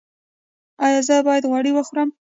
ایا زه باید غوړي وخورم؟